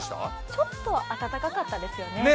ちょっと暖かかったですよね。